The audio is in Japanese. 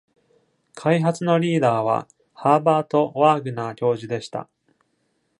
開発のリーダーはハーバート・ワーグナー教授でした。